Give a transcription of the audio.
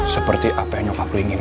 seperti apa yang nyokap lo inginkan